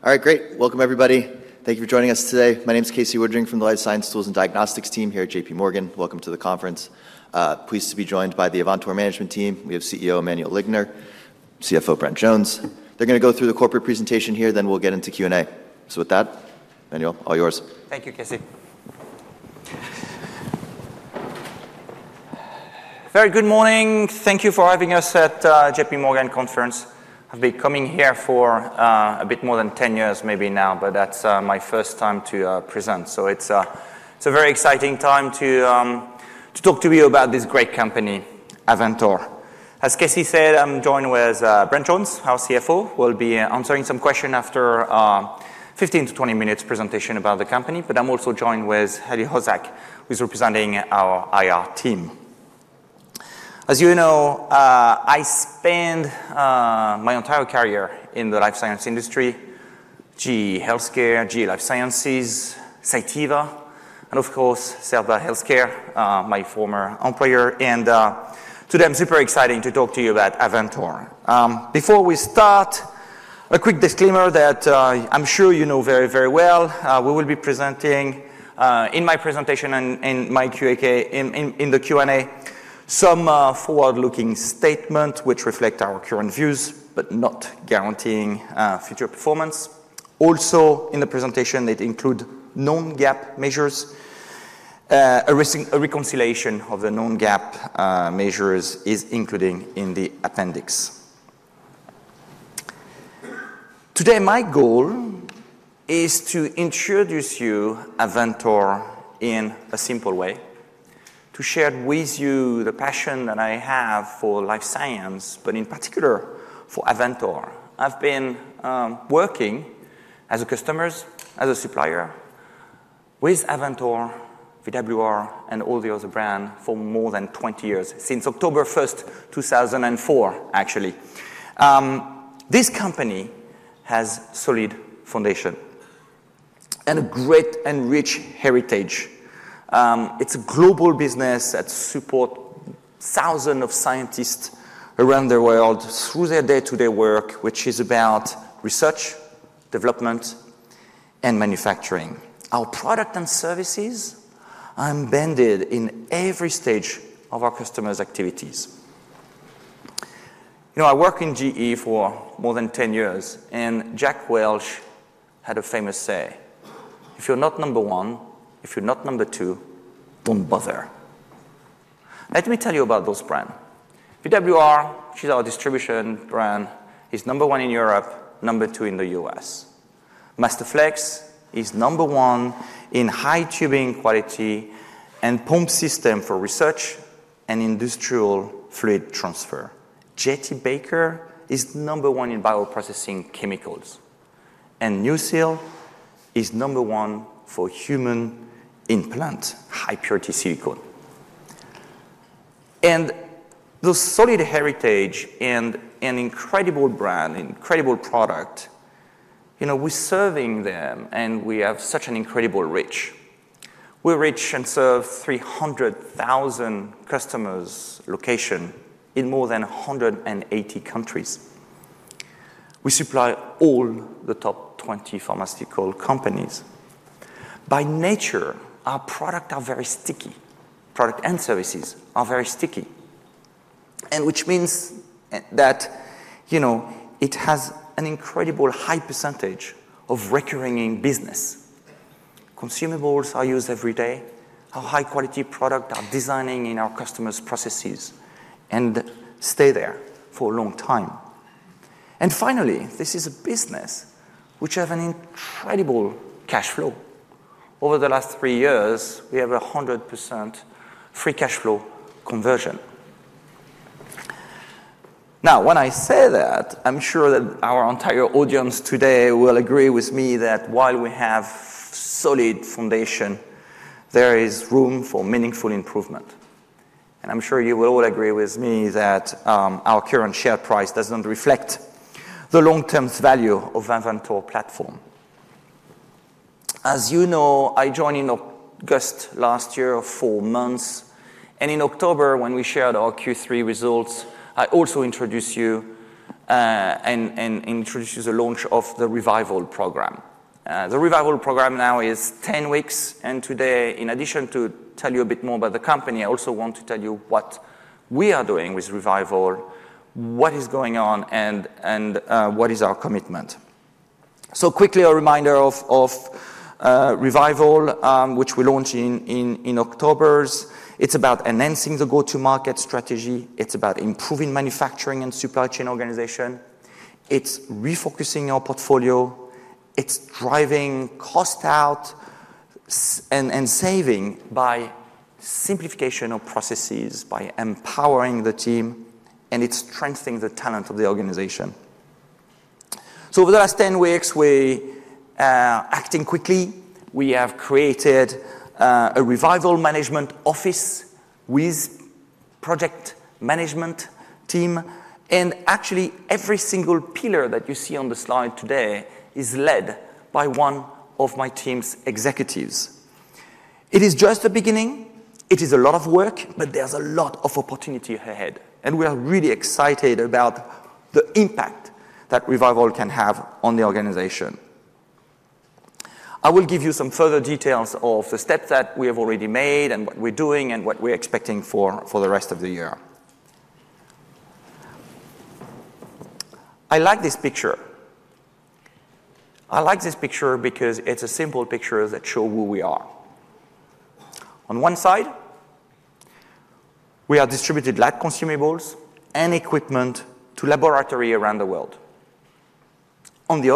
All right, great. Welcome, everybody. Thank you for joining us today. My name is Casey Woodring from the Life Science Tools and Diagnostics team here at J.P. Morgan. Welcome to the conference. Pleased to be joined by the Avantor management team. We have CEO Emmanuel Ligonier, CFO Brent Jones. They're going to go through the corporate presentation here, then we'll get into Q&A. So with that, Emmanuel, all yours. Thank you, Casey. Very good morning. Thank you for having us at the J.P. Morgan conference. I've been coming here for a bit more than 10 years, maybe now, but that's my first time to present. So it's a very exciting time to talk to you about this great company, Avantor. As Casey said, I'm joined with Brent Jones, our CFO. We'll be answering some questions after a 15-20 minutes presentation about the company. But I'm also joined with Heli Hosak, who's representing our IR team. As you know, I spent my entire career in the life science industry: GE Healthcare, GE Life Sciences, Cytiva, and of course, Cytiva Healthcare, my former employer. And today, I'm super excited to talk to you about Avantor. Before we start, a quick disclaimer that I'm sure you know very, very well. We will be presenting, in my presentation and in the Q&A, some forward-looking statements which reflect our current views, but not guaranteeing future performance. Also, in the presentation, they include non-GAAP measures. A reconciliation of the non-GAAP measures is included in the appendix. Today, my goal is to introduce you to Avantor in a simple way, to share with you the passion that I have for life science, but in particular for Avantor. I've been working as a customer, as a supplier with Avantor, VWR, and all the other brands for more than 20 years, since October 1, 2004, actually. This company has a solid foundation and a great and rich heritage. It's a global business that supports thousands of scientists around the world through their day-to-day work, which is about research, development, and manufacturing. Our product and services are embedded in every stage of our customers' activities. I worked in GE for more than 10 years, and Jack Welch had a famous say, "If you're not number one, if you're not number two, don't bother." Let me tell you about those brands. VWR, which is our distribution brand, is number one in Europe, number two in the U.S. Masterflex is number one in high-tubing quality and pump system for research and industrial fluid transfer. J.T. Baker is number one in bioprocessing chemicals. And New Seal is number one for human implants, high-purity silicone. And the solid heritage and an incredible brand, incredible product, we're serving them, and we have such an incredible reach. We reach and serve 300,000 customers' locations in more than 180 countries. We supply all the top 20 pharmaceutical companies. By nature, our products are very sticky. Products and services are very sticky, which means that it has an incredible high percentage of recurring business. Consumables are used every day. Our high-quality products are designed in our customers' processes and stay there for a long time. And finally, this is a business which has an incredible cash flow. Over the last three years, we have 100% free cash flow conversion. Now, when I say that, I'm sure that our entire audience today will agree with me that while we have a solid foundation, there is room for meaningful improvement. And I'm sure you will all agree with me that our current share price does not reflect the long-term value of the Avantor platform. As you know, I joined in August last year four months. And in October, when we shared our Q3 results, I also introduced you to the launch of the Revival program. The Revival program now is 10 weeks, and today, in addition to tell you a bit more about the company, I also want to tell you what we are doing with Revival, what is going on, and what is our commitment, so quickly, a reminder of Revival, which we launched in October. It's about enhancing the go-to-market strategy. It's about improving manufacturing and supply chain organization. It's refocusing our portfolio. It's driving cost out and saving by simplification of processes, by empowering the team, and it's strengthening the talent of the organization, so over the last 10 weeks, we are acting quickly. We have created a Revival management office with a project management team, and actually, every single pillar that you see on the slide today is led by one of my team's executives. It is just the beginning. It is a lot of work, but there's a lot of opportunity ahead. And we are really excited about the impact that Revival can have on the organization. I will give you some further details of the steps that we have already made and what we're doing and what we're expecting for the rest of the year. I like this picture. I like this picture because it's a simple picture that shows who we are. On one side, we have distributed light consumables and equipment to laboratories around the world. On the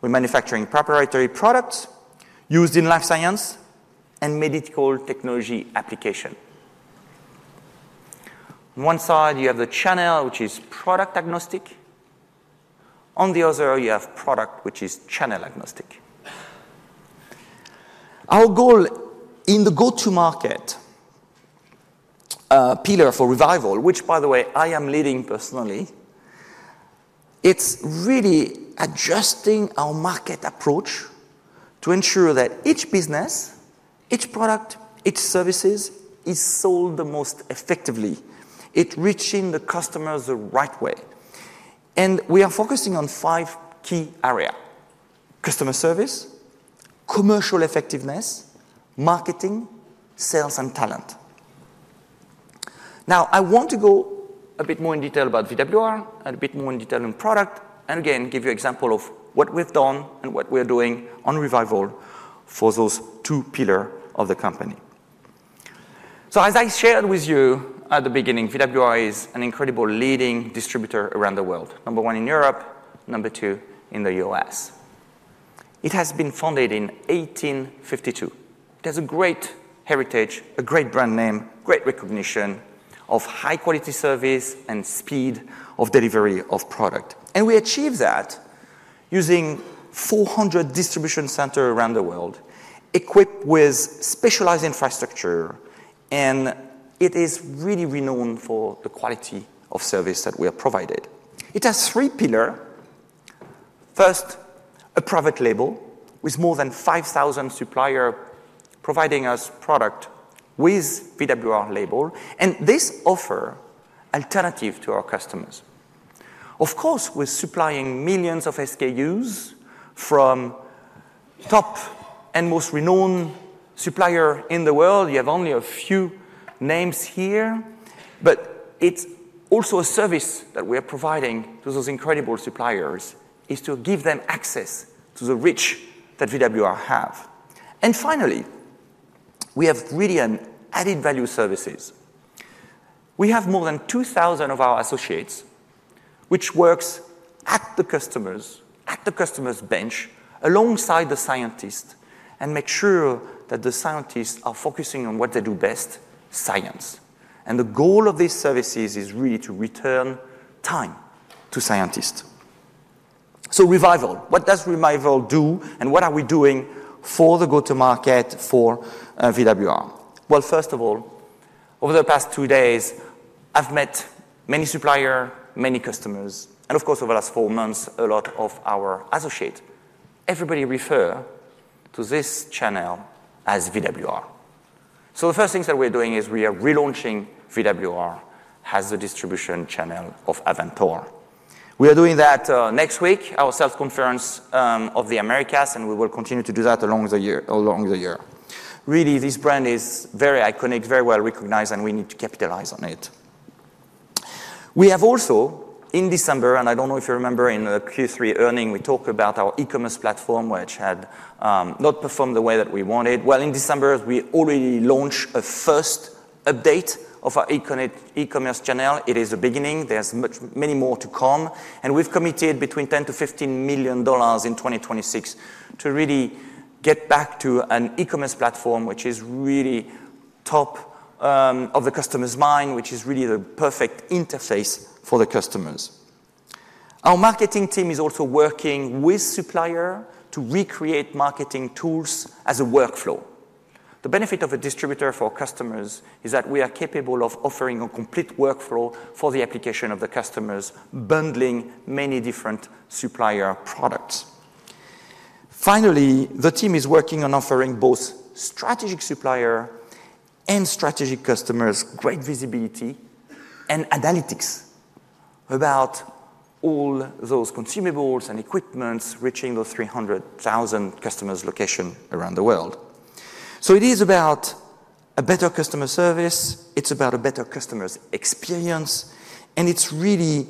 other, we're manufacturing preparatory products used in life science and medical technology applications. On one side, you have the channel, which is product agnostic. On the other, you have product, which is channel agnostic. Our goal in the go-to-market pillar for Revival, which, by the way, I am leading personally, is really adjusting our market approach to ensure that each business, each product, each service is sold the most effectively. It's reaching the customers the right way, and we are focusing on five key areas: customer service, commercial effectiveness, marketing, sales, and talent. Now, I want to go a bit more in detail about VWR and a bit more in detail on product, and again, give you an example of what we've done and what we're doing on Revival for those two pillars of the company, so as I shared with you at the beginning, VWR is an incredible leading distributor around the world, number one in Europe, number two in the U.S. It has been founded in 1852. It has a great heritage, a great brand name, great recognition of high-quality service and speed of delivery of product. We achieved that using 400 distribution centers around the world equipped with specialized infrastructure. It is really renowned for the quality of service that we have provided. It has three pillars. First, a private label with more than 5,000 suppliers providing us product with VWR label. This offers an alternative to our customers. Of course, we're supplying millions of SKUs from the top and most renowned suppliers in the world. You have only a few names here. It's also a service that we are providing to those incredible suppliers to give them access to the reach that VWR has. Finally, we have really added value services. We have more than 2,000 of our associates, which work at the customer's bench alongside the scientists and make sure that the scientists are focusing on what they do best, science. And the goal of these services is really to return time to scientists. So Revival, what does Revival do, and what are we doing for the go-to-market for VWR? Well, first of all, over the past two days, I've met many suppliers, many customers, and of course, over the last four months, a lot of our associates. Everybody refers to this channel as VWR. So the first thing that we're doing is we are relaunching VWR as the distribution channel of Avantor. We are doing that next week, our sales conference of the Americas, and we will continue to do that along the year. Really, this brand is very iconic, very well recognized, and we need to capitalize on it. We have also, in December, and I don't know if you remember in the Q3 earnings, we talked about our e-commerce platform, which had not performed the way that we wanted. Well, in December, we already launched a first update of our e-commerce channel. It is the beginning. There's many more to come. And we've committed between $10-$15 million in 2026 to really get back to an e-commerce platform which is really top of the customer's mind, which is really the perfect interface for the customers. Our marketing team is also working with suppliers to recreate marketing tools as a workflow. The benefit of a distributor for customers is that we are capable of offering a complete workflow for the application of the customers, bundling many different supplier products. Finally, the team is working on offering both strategic suppliers and strategic customers great visibility and analytics about all those consumables and equipment reaching those 300,000 customers' locations around the world. So it is about a better customer service. It's about a better customer's experience. And it's really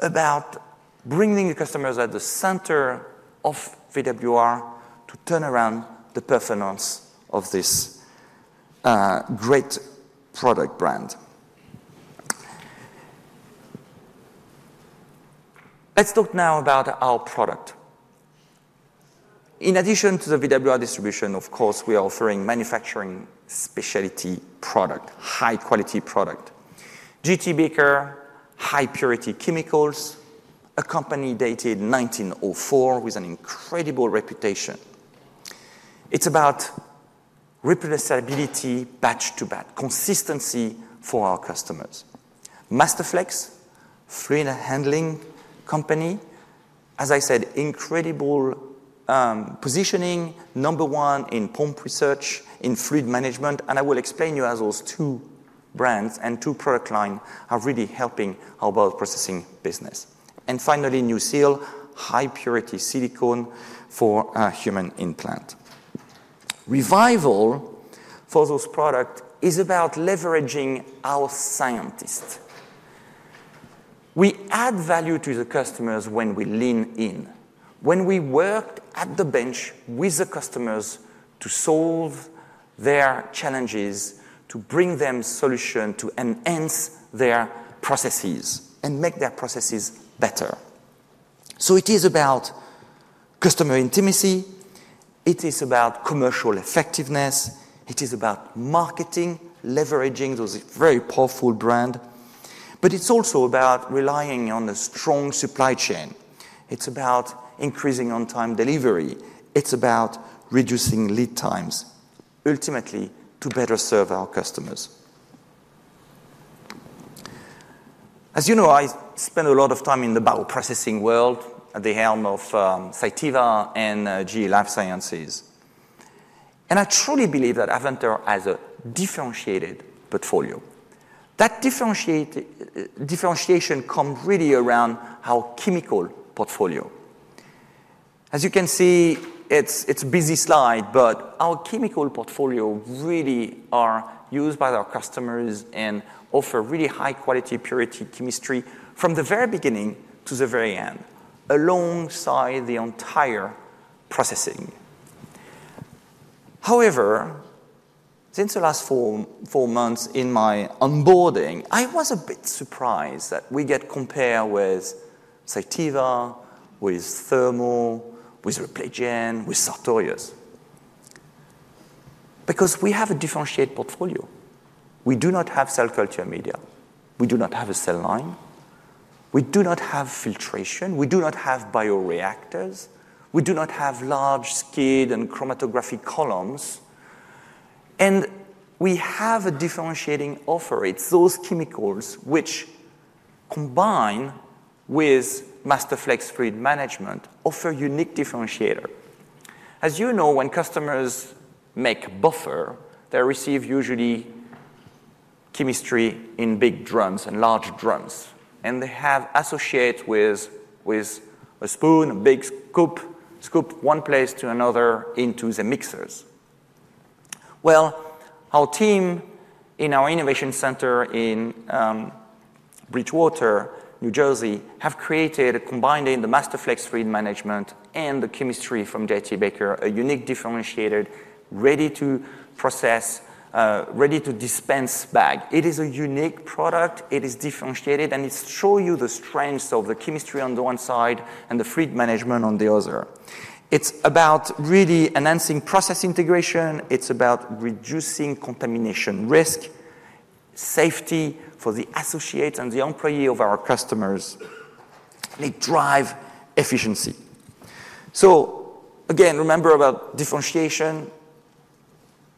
about bringing the customers at the center of VWR to turn around the performance of this great product brand. Let's talk now about our product. In addition to the VWR distribution, of course, we are offering manufacturing specialty products, high-quality products, J.T. Baker, high-purity chemicals, a company dated 1904 with an incredible reputation. It's about reproducibility batch to batch, consistency for our customers. Masterflex, fluid handling company, as I said, incredible positioning, number one in pump research, in fluid management. And I will explain to you how those two brands and two product lines are really helping our bioprocessing business. Finally, New Seal, high-purity silicone for a human implant. Revival, for those products, is about leveraging our scientists. We add value to the customers when we lean in, when we work at the bench with the customers to solve their challenges, to bring them solutions, to enhance their processes and make their processes better. So it is about customer intimacy. It is about commercial effectiveness. It is about marketing, leveraging those very powerful brands. But it's also about relying on a strong supply chain. It's about increasing on-time delivery. It's about reducing lead times, ultimately, to better serve our customers. As you know, I spent a lot of time in the bioprocessing world at the helm of Sativa and GE Life Sciences. And I truly believe that Avantor has a differentiated portfolio. That differentiation comes really around our chemical portfolio. As you can see, it's a busy slide, but our chemical portfolio really is used by our customers and offers really high-quality, purity chemistry from the very beginning to the very end alongside the entire processing. However, since the last four months in my onboarding, I was a bit surprised that we get compared with Cytiva, with Thermo Fisher, with Repligen, with Sartorius. Because we have a differentiated portfolio. We do not have cell culture media. We do not have a cell line. We do not have filtration. We do not have bioreactors. We do not have large skid and chromatographic columns, and we have a differentiating offering. It's those chemicals which, combined with Masterflex fluid management, offer a unique differentiator. As you know, when customers make a buffer, they receive usually chemistry in big drums and large drums. And they have associated with a spoon, a big scoop, scoop one place to another into the mixers. Well, our team in our innovation center in Bridgewater, New Jersey, has created, combined in the Masterflex fluid management and the chemistry from J.T. Baker, a unique differentiated, ready-to-process, ready-to-dispense bag. It is a unique product. It is differentiated. And it shows you the strengths of the chemistry on the one side and the fluid management on the other. It's about really enhancing process integration. It's about reducing contamination risk, safety for the associates and the employees of our customers. They drive efficiency. So again, remember about differentiation.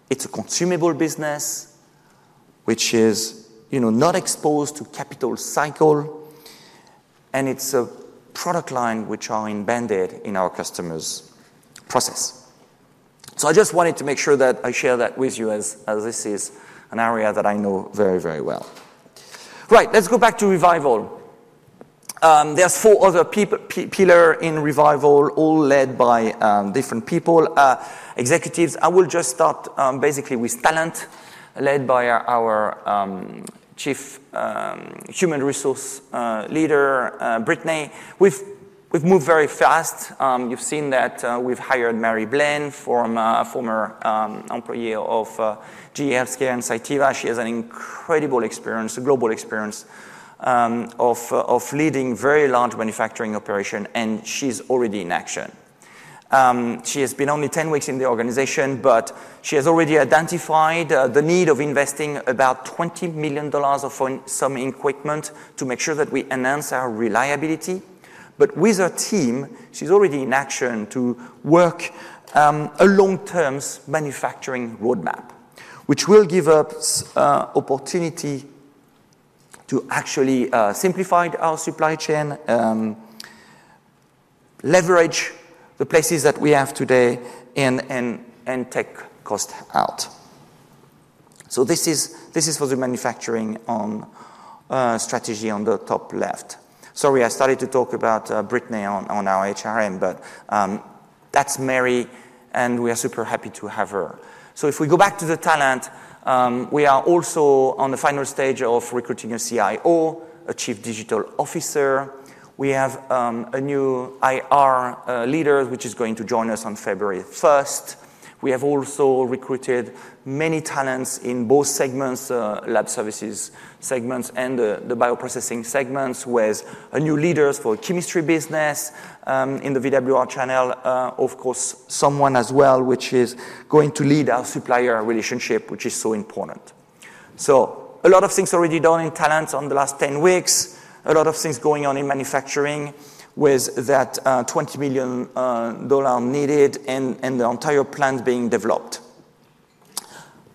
It's a consumable business, which is not exposed to capital cycle. And it's a product line which is embedded in our customers' process. So I just wanted to make sure that I share that with you as this is an area that I know very, very well. Right, let's go back to Revival. There are four other pillars in Revival, all led by different people, executives. I will just start basically with talent, led by our Chief Human Resources leader, Brittany. We've moved very fast. You've seen that we've hired Mary Blain, former employee of GE Healthcare and Cytiva. She has an incredible experience, a global experience of leading very large manufacturing operations. And she's already in action. She has been only 10 weeks in the organization, but she has already identified the need of investing about $20 million of some equipment to make sure that we enhance our reliability. But with her team, she's already in action to work on a long-term manufacturing roadmap, which will give us opportunity to actually simplify our supply chain, leverage the places that we have today, and take costs out. So this is for the manufacturing strategy on the top left. Sorry, I started to talk about Brittany on our HRM, but that's Mary, and we are super happy to have her. So if we go back to the talent, we are also on the final stage of recruiting a CIO, a chief digital officer. We have a new IR leader, which is going to join us on February 1st. We have also recruited many talents in both segments, lab services segments and the bioprocessing segments, with new leaders for the chemistry business in the VWR channel. Of course, someone as well, which is going to lead our supplier relationship, which is so important, so a lot of things are already done in talent in the last 10 weeks. A lot of things are going on in manufacturing with that $20 million needed and the entire plant being developed.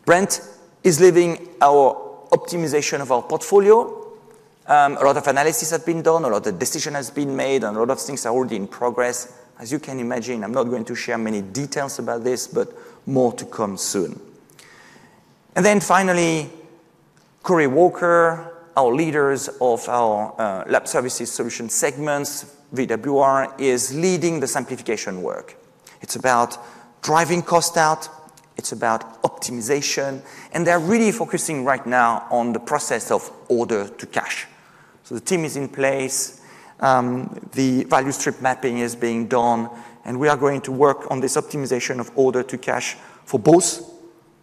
Brent is leading our optimization of our portfolio. A lot of analysis has been done, a lot of decisions have been made, and a lot of things are already in progress. As you can imagine, I'm not going to share many details about this, but more to come soon, and then finally, Cory Walker, our leader of our Laboratory Solutions segment, VWR, is leading the simplification work. It's about driving costs out. It's about optimization, and they're really focusing right now on the process of order to cash, so the team is in place. The value strip mapping is being done. And we are going to work on this optimization of order to cash for both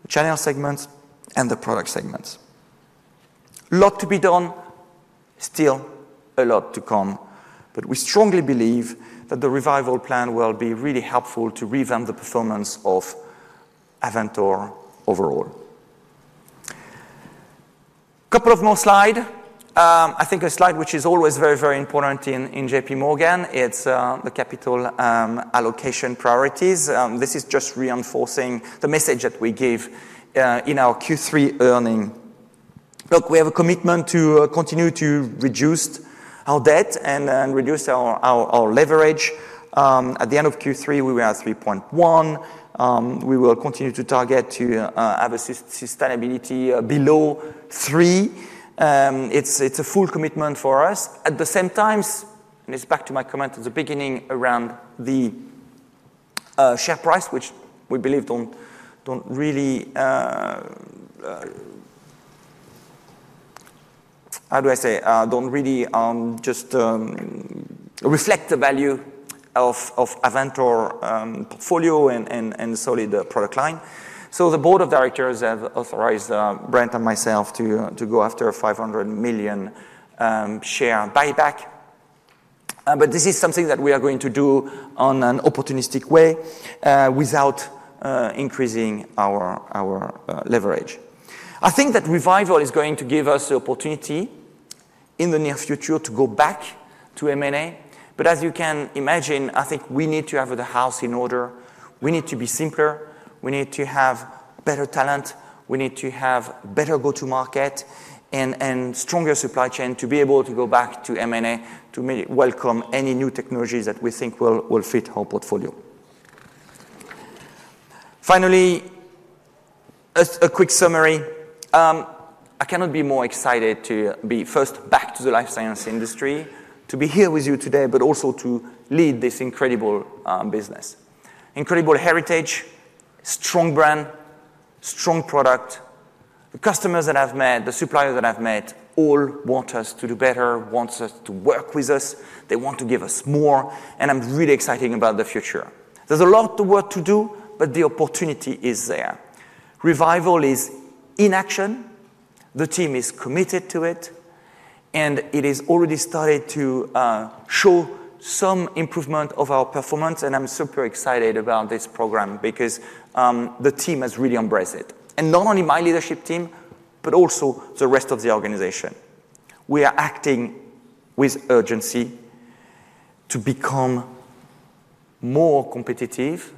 the channel segments and the product segments. A lot to be done. Still a lot to come. But we strongly believe that the Revival plan will be really helpful to revamp the performance of Avantor overall. A couple of more slides. I think a slide which is always very, very important in JPMorgan, it's the capital allocation priorities. This is just reinforcing the message that we give in our Q3 earnings. Look, we have a commitment to continue to reduce our debt and reduce our leverage. At the end of Q3, we were at 3.1. We will continue to target to have sustainability below 3. It's a full commitment for us. At the same time, and it's back to my comment at the beginning around the share price, which we believe don't really, how do I say, don't really just reflect the value of Avantor portfolio and solid product line. So the board of directors have authorized Brent and myself to go after a $500 million share buyback. But this is something that we are going to do in an opportunistic way without increasing our leverage. I think that Revival is going to give us the opportunity in the near future to go back to M&A. But as you can imagine, I think we need to have the house in order. We need to be simpler. We need to have better talent. We need to have better go-to-market and stronger supply chain to be able to go back to M&A to welcome any new technologies that we think will fit our portfolio. Finally, a quick summary. I cannot be more excited to be first back to the life science industry, to be here with you today, but also to lead this incredible business, incredible heritage, strong brand, strong product. The customers that I've met, the suppliers that I've met, all want us to do better, want us to work with us. They want to give us more, and I'm really excited about the future. There's a lot of work to do, but the opportunity is there. Revival is in action. The team is committed to it, and it has already started to show some improvement of our performance, and I'm super excited about this program because the team has really embraced it, and not only my leadership team, but also the rest of the organization. We are acting with urgency to become more competitive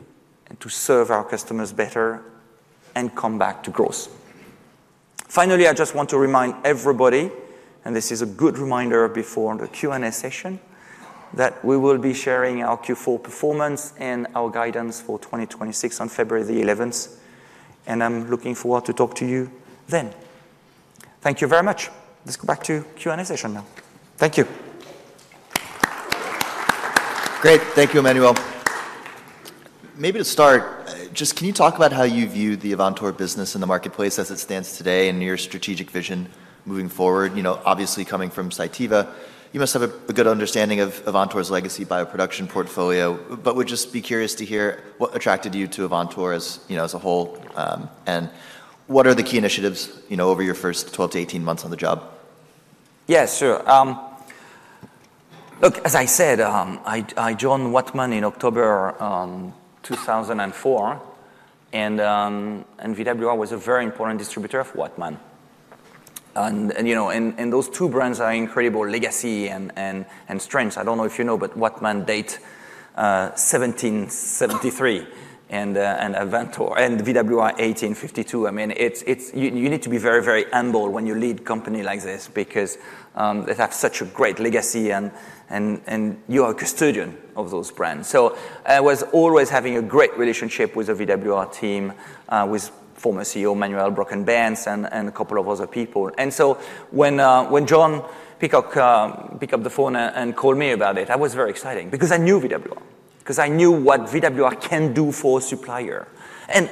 and to serve our customers better and come back to growth. Finally, I just want to remind everybody, and this is a good reminder before the Q&A session, that we will be sharing our Q4 performance and our guidance for 2026 on February the 11th. And I'm looking forward to talking to you then. Thank you very much. Let's go back to the Q&A session now. Thank you. Great. Thank you, Emmanuel. Maybe to start, just can you talk about how you view the Avantor business in the marketplace as it stands today and your strategic vision moving forward? Obviously, coming from Cytiva, you must have a good understanding of Avantor's legacy bioproduction portfolio. But we'd just be curious to hear what attracted you to Avantor as a whole and what are the key initiatives over your first 12 to 18 months on the job? Yeah, sure. Look, as I said, I joined Whatman in October 2004. And VWR was a very important distributor of Whatman. And those two brands are incredible legacy and strengths. I don't know if you know, but Whatman dates 1773 and Avantor and VWR 1852. I mean, you need to be very, very humble when you lead a company like this because they have such a great legacy. And you are a custodian of those brands. So I was always having a great relationship with the VWR team, with former CEO Manuel Brocke-Benz and a couple of other people. And so when John Pickock picked up the phone and called me about it, I was very excited because I knew VWR, because I knew what VWR can do for a supplier. And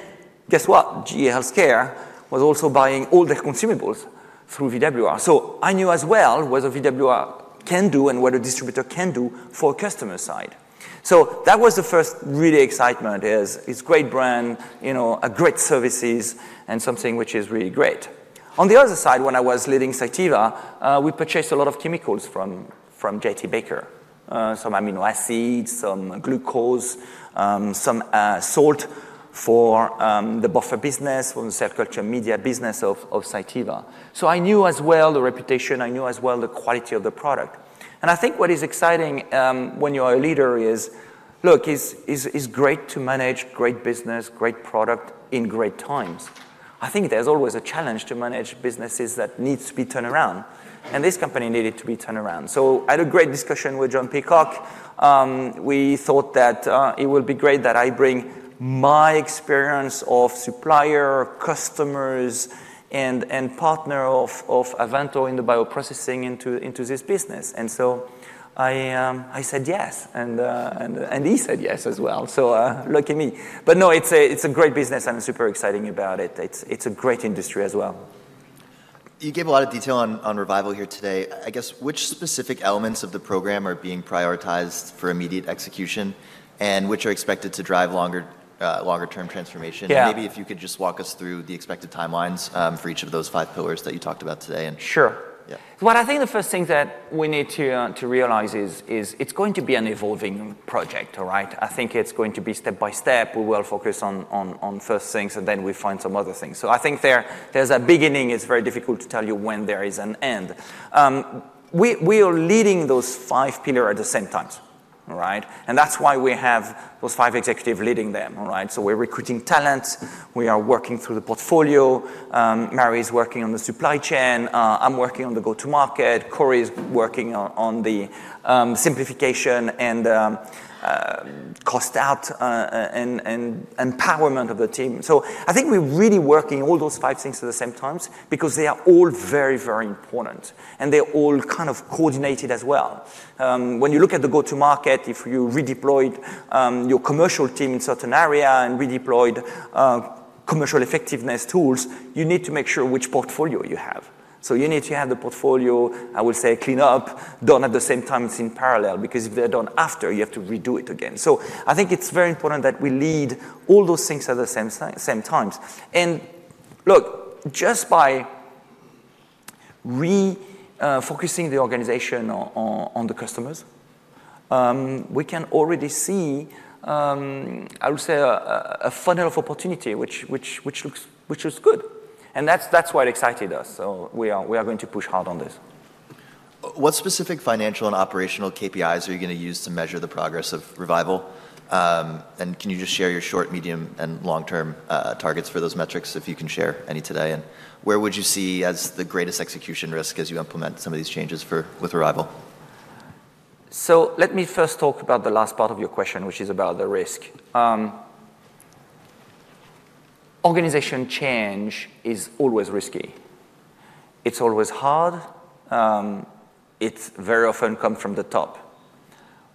guess what? GE Healthcare was also buying all their consumables through VWR. So I knew as well what VWR can do and what a distributor can do for a customer side. So that was the first really excitement. It's a great brand, great services, and something which is really great. On the other side, when I was leading Cytiva, we purchased a lot of chemicals from J.T. Baker, some amino acids, some glucose, some salt for the buffer business, for the cell culture media business of Cytiva. So I knew as well the reputation. I knew as well the quality of the product. And I think what is exciting when you are a leader is, look, it's great to manage great business, great product in great times. I think there's always a challenge to manage businesses that need to be turned around. And this company needed to be turned around. So I had a great discussion with John Pickock. We thought that it would be great that I bring my experience of supplier, customers, and partner of Avantor in the bioprocessing into this business. And so I said yes. And he said yes as well. So lucky me. But no, it's a great business. I'm super excited about it. It's a great industry as well. You gave a lot of detail on Revival here today. I guess, which specific elements of the program are being prioritized for immediate execution and which are expected to drive longer-term transformation? Yeah. Maybe if you could just walk us through the expected timelines for each of those five pillars that you talked about today? Sure. Yeah. What I think the first thing that we need to realize is it's going to be an evolving project, all right? I think it's going to be step by step. We will focus on first things, and then we find some other things. So I think there's a beginning. It's very difficult to tell you when there is an end. We are leading those five pillars at the same times, all right? And that's why we have those five executives leading them, all right? So we're recruiting talent. We are working through the portfolio. Mary is working on the supply chain. I'm working on the go-to-market. Cory is working on the simplification and cost out and empowerment of the team. So I think we're really working all those five things at the same times because they are all very, very important. And they're all kind of coordinated as well. When you look at the go-to-market, if you redeployed your commercial team in a certain area and redeployed commercial effectiveness tools, you need to make sure which portfolio you have. So you need to have the portfolio, I will say, clean up, done at the same time. It's in parallel. Because if they're done after, you have to redo it again. So I think it's very important that we lead all those things at the same times. And look, just by refocusing the organization on the customers, we can already see, I will say, a funnel of opportunity, which looks good. And that's what excited us. So we are going to push hard on this. What specific financial and operational KPIs are you going to use to measure the progress of Revival? And can you just share your short, medium, and long-term targets for those metrics, if you can share any today? And where would you see as the greatest execution risk as you implement some of these changes with Revival? So let me first talk about the last part of your question, which is about the risk. Organization change is always risky. It's always hard. It very often comes from the top.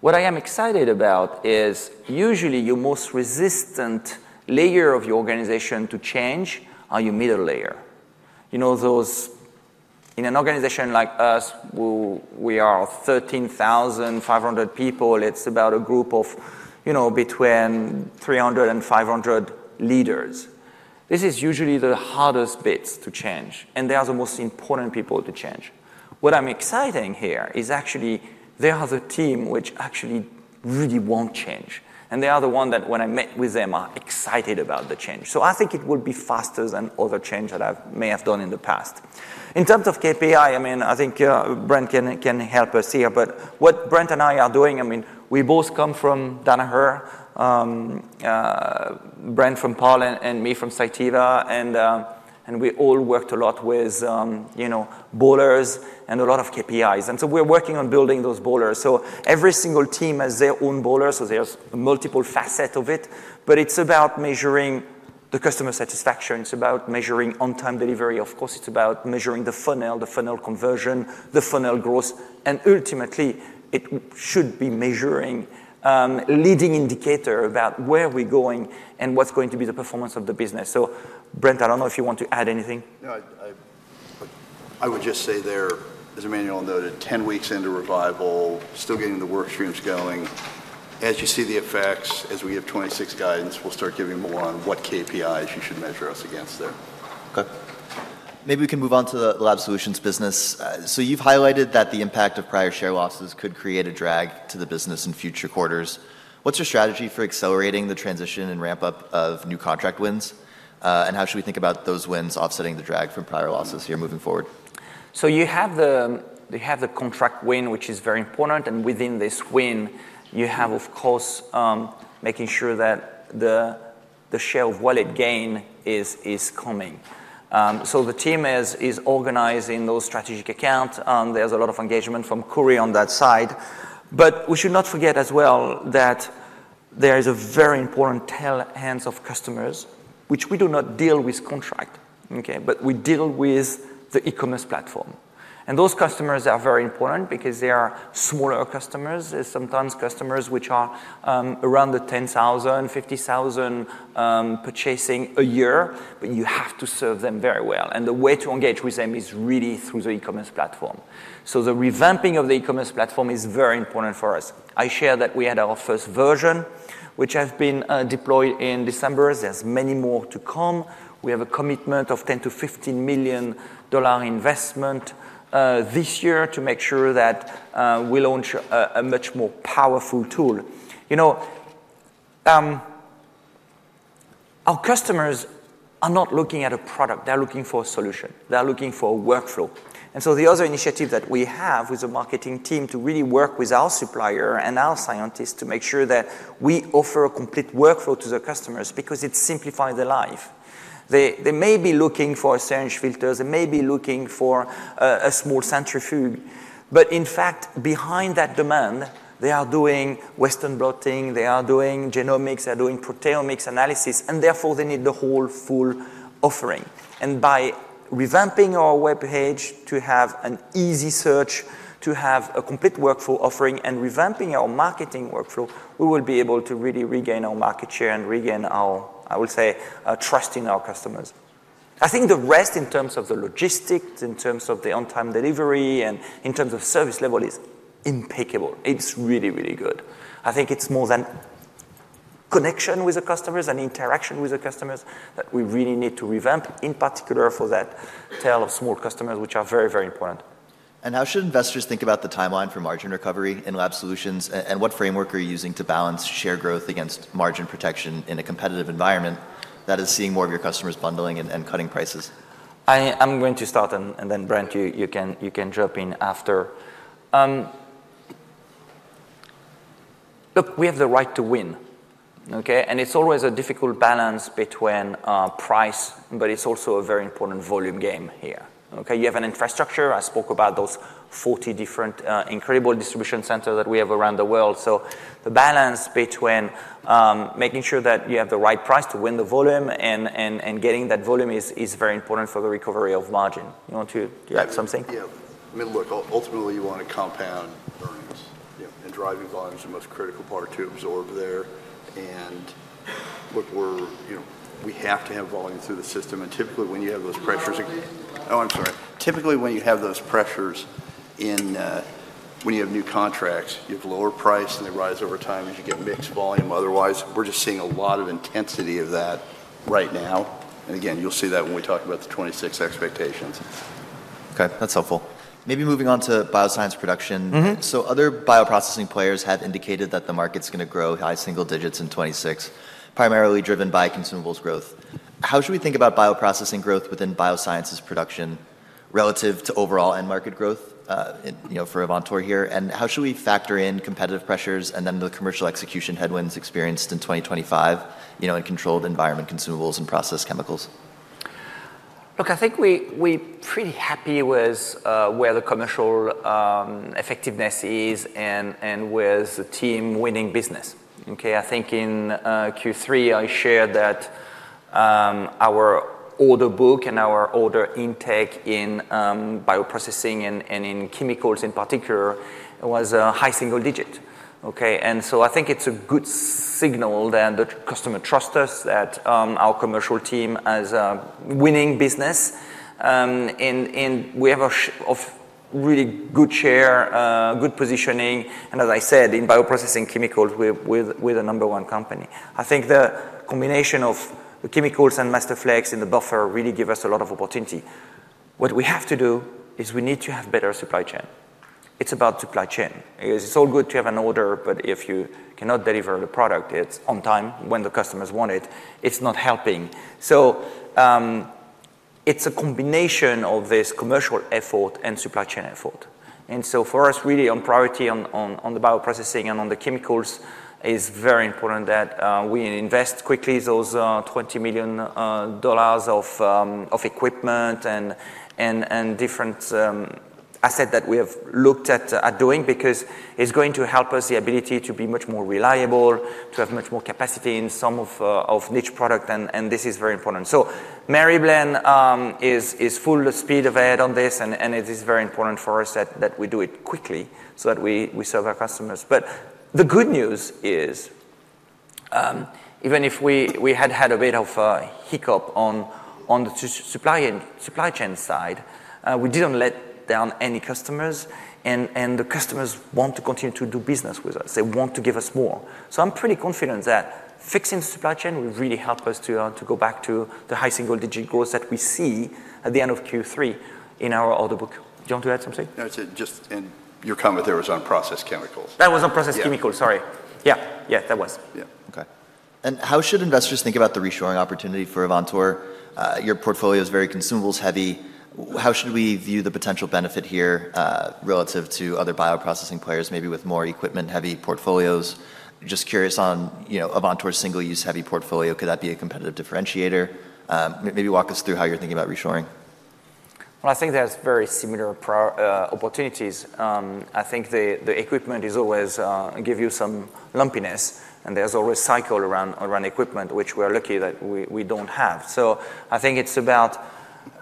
What I am excited about is usually your most resistant layer of your organization to change are your middle layer. In an organization like us, we are 13,500 people. It's about a group of between 300 and 500 leaders. This is usually the hardest bits to change. And they are the most important people to change. What I'm excited here is actually they are the team which actually really won't change. And they are the ones that when I met with them are excited about the change. So I think it will be faster than other changes that I may have done in the past. In terms of KPI, I mean, I think Brent can help us here. But what Brent and I are doing, I mean, we both come from Danaher, Brent from Pall, and me from Cytiva. And we all worked a lot with balanced scorecards and a lot of KPIs. And so we're working on building those balanced scorecards. So every single team has their own balanced scorecards. So there's multiple facets of it. But it's about measuring the customer satisfaction. It's about measuring on-time delivery. Of course, it's about measuring the funnel, the funnel conversion, the funnel growth. And ultimately, it should be measuring leading indicators about where we're going and what's going to be the performance of the business. So Brent, I don't know if you want to add anything. No, I would just say there, as Emmanuel noted, 10 weeks into Revival, still getting the work streams going. As you see the effects, as we have 2026 guidance, we'll start giving more on what KPIs you should measure us against there. Okay. Maybe we can move on to the Lab Solutions business. So you've highlighted that the impact of prior share losses could create a drag to the business in future quarters. What's your strategy for accelerating the transition and ramp-up of new contract wins? And how should we think about those wins offsetting the drag from prior losses here moving forward? So you have the contract win, which is very important. And within this win, you have, of course, making sure that the share of wallet gain is coming. So the team is organizing those strategic accounts. And there's a lot of engagement from Cory on that side. But we should not forget as well that there is a very important tail end of customers, which we do not deal with contract. But we deal with the e-commerce platform. And those customers are very important because they are smaller customers. There's sometimes customers which are around the $10,000, $50,000 purchasing a year. But you have to serve them very well. And the way to engage with them is really through the e-commerce platform. So the revamping of the e-commerce platform is very important for us. I shared that we had our first version, which has been deployed in December. There's many more to come. We have a commitment of $10-$15 million investment this year to make sure that we launch a much more powerful tool. Our customers are not looking at a product. They're looking for a solution. They're looking for a workflow. And so the other initiative that we have with the marketing team to really work with our supplier and our scientists to make sure that we offer a complete workflow to the customers because it simplifies their life. They may be looking for a syringe filter. They may be looking for a small centrifuge. But in fact, behind that demand, they are doing Western blotting. They are doing genomics. They are doing proteomics analysis. And therefore, they need the whole full offering. By revamping our web page to have an easy search, to have a complete workflow offering, and revamping our marketing workflow, we will be able to really regain our market share and regain our, I will say, trust in our customers. I think the rest in terms of the logistics, in terms of the on-time delivery, and in terms of service level is impeccable. It's really, really good. I think it's more than connection with the customers and interaction with the customers that we really need to revamp, in particular for that tail of small customers, which are very, very important. How should investors think about the timeline for margin recovery in lab solutions? What framework are you using to balance share growth against margin protection in a competitive environment that is seeing more of your customers bundling and cutting prices? I'm going to start. And then, Brent, you can jump in after. Look, we have the right to win. And it's always a difficult balance between price. But it's also a very important volume game here. You have an infrastructure. I spoke about those 40 different incredible distribution centers that we have around the world. So the balance between making sure that you have the right price to win the volume and getting that volume is very important for the recovery of margin. You want to add something? Yeah. I mean, look, ultimately, you want to compound earnings and drive your volumes. The most critical part to absorb there. And look, we have to have volume through the system. Typically, when you have those pressures and when you have new contracts, you have lower price, and they rise over time, and you get mixed volume. Otherwise, we're just seeing a lot of intensity of that right now. And again, you'll see that when we talk about the 2026 expectations. Okay. That's helpful. Maybe moving on to bioscience production. So other bioprocessing players have indicated that the market's going to grow high single digits in 2026, primarily driven by consumables growth. How should we think about bioprocessing growth within biosciences production relative to overall end market growth for Avantor here? And how should we factor in competitive pressures and then the commercial execution headwinds experienced in 2025 in controlled environment consumables and process chemicals? Look, I think we're pretty happy with where the commercial effectiveness is and with the team winning business. I think in Q3, I shared that our order book and our order intake in bioprocessing and in chemicals in particular was a high single digit. And so I think it's a good signal that the customer trusts us, that our commercial team has a winning business. And we have a really good share, good positioning. And as I said, in bioprocessing chemicals, we're the number one company. I think the combination of the chemicals and Masterflex and the buffer really give us a lot of opportunity. What we have to do is we need to have better supply chain. It's about supply chain. It's all good to have an order. But if you cannot deliver the product on time when the customers want it, it's not helping. So it's a combination of this commercial effort and supply chain effort. And so for us, really, on priority on the bioprocessing and on the chemicals, it's very important that we invest quickly those $20 million of equipment and different assets that we have looked at doing because it's going to help us the ability to be much more reliable, to have much more capacity in some of niche products. And this is very important. So Mary Blain is full speed ahead on this. And it is very important for us that we do it quickly so that we serve our customers. But the good news is, even if we had had a bit of a hiccup on the supply chain side, we didn't let down any customers. And the customers want to continue to do business with us. They want to give us more. So I'm pretty confident that fixing the supply chain will really help us to go back to the high single digit growth that we see at the end of Q3 in our order book. Do you want to add something? No, just in your comment there was on process chemicals. That was on process chemicals. Sorry. Yeah. Yeah, that was. Yeah. Okay, and how should investors think about the reshoring opportunity for Avantor? Your portfolio is very consumables heavy. How should we view the potential benefit here relative to other bioprocessing players, maybe with more equipment-heavy portfolios? Just curious on Avantor's single-use heavy portfolio. Could that be a competitive differentiator? Maybe walk us through how you're thinking about reshoring. Well, I think there's very similar opportunities. I think the equipment is always gives you some lumpiness. And there's always a cycle around equipment, which we are lucky that we don't have. So I think it's about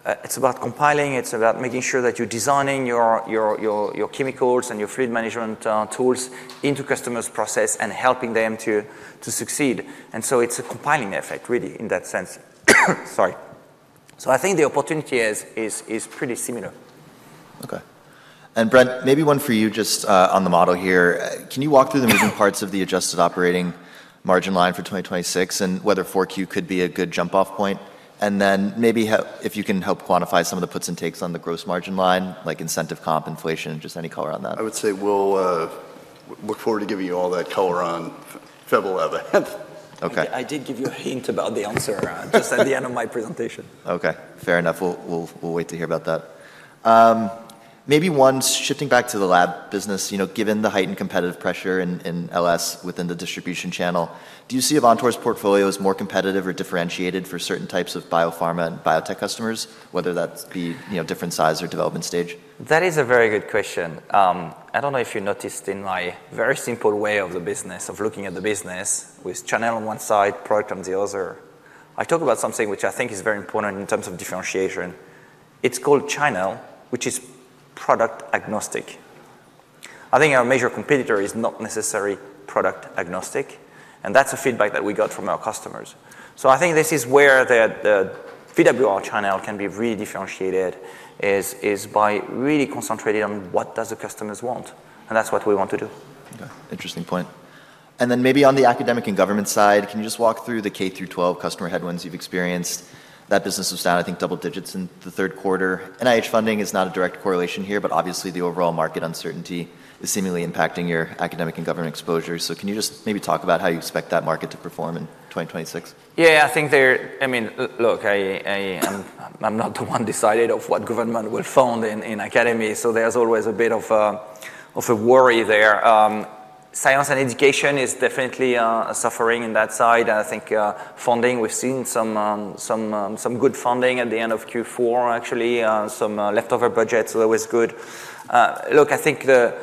compounding. It's about making sure that you're designing your chemicals and your fluid management tools into customers' process and helping them to succeed. And so it's a compounding effect, really, in that sense. Sorry. So I think the opportunity is pretty similar. Okay. And Brent, maybe one for you just on the model here. Can you walk through the moving parts of the adjusted operating margin line for 2026 and whether 4Q could be a good jump-off point? And then maybe if you can help quantify some of the puts and takes on the gross margin line, like incentive comp, inflation, just any color on that. I would say we'll look forward to giving you all that color on February 11. I did give you a hint about the answer just at the end of my presentation. Okay. Fair enough. We'll wait to hear about that. Maybe one, shifting back to the lab business, given the heightened competitive pressure in LS within the distribution channel, do you see Avantor's portfolio as more competitive or differentiated for certain types of biopharma and biotech customers, whether that be different size or development stage? That is a very good question. I don't know if you noticed in my very simple way of the business, of looking at the business with channel on one side, product on the other. I talk about something which I think is very important in terms of differentiation. It's called channel, which is product agnostic. I think our major competitor is not necessarily product agnostic. And that's a feedback that we got from our customers. So I think this is where the VWR channel can be really differentiated is by really concentrating on what do the customers want. And that's what we want to do. Okay. Interesting point. And then maybe on the academic and government side, can you just walk through the K through 12 customer headwinds you've experienced? That business was down, I think, double digits in the third quarter. NIH funding is not a direct correlation here. But obviously, the overall market uncertainty is seemingly impacting your academic and government exposure. So can you just maybe talk about how you expect that market to perform in 2026? Yeah. I think there, I mean, look. I'm not the one deciding what government will fund in academia. So there's always a bit of a worry there. Science and education is definitely suffering in that side. And I think funding. We've seen some good funding at the end of Q4, actually. Some leftover budgets are always good. Look, I think the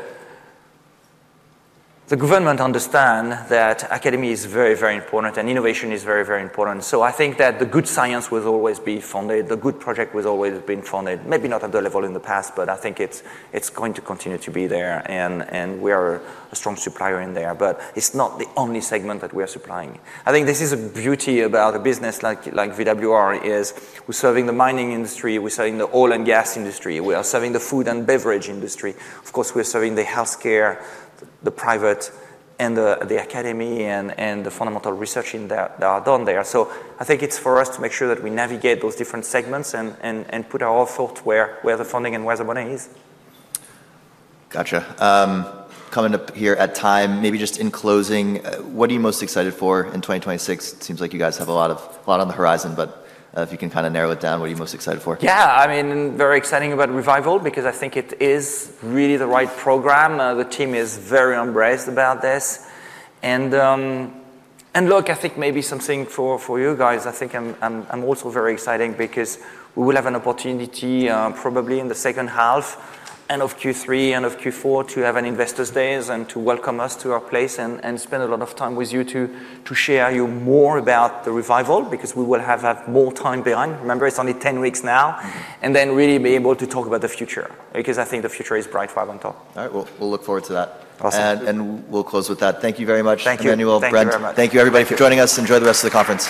government understands that academia is very, very important. And innovation is very, very important. So I think that the good science will always be funded. The good project will always be funded. Maybe not at the level in the past. But I think it's going to continue to be there. And we are a strong supplier in there. But it's not the only segment that we are supplying. I think this is the beauty of a business like VWR is we're serving the mining industry. We're serving the oil and gas industry. We are serving the food and beverage industry. Of course, we're serving the health care, the private, and the academy, and the fundamental research that are done there. So I think it's for us to make sure that we navigate those different segments and put our effort where the funding and where the money is. Gotcha. Coming up here at time, maybe just in closing, what are you most excited for in 2026? It seems like you guys have a lot on the horizon. But if you can kind of narrow it down, what are you most excited for? Yeah. I mean, very exciting about Revival because I think it is really the right program. The team is very embraced about this. And look, I think maybe something for you guys. I think I'm also very excited because we will have an opportunity probably in the second half and of Q3 and of Q4 to have an investor's days and to welcome us to our place and spend a lot of time with you to share more about the Revival because we will have more time behind. Remember, it's only ten weeks now. And then really be able to talk about the future because I think the future is bright for Avantor. All right. We'll look forward to that. Awesome. We'll close with that. Thank you very much, Emmanuel, Brent. Thank you very much. Thank you, everybody, for joining us. Enjoy the rest of the conference.